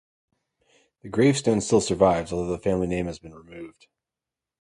The gravestone still survives although the family name has been removed.